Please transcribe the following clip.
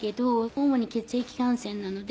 主に血液感染なので。